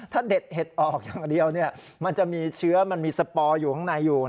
ถ้าเด็ดเห็ดออกอย่างเดียวมันจะมีเชื้อมันมีสปอร์อยู่ข้างในอยู่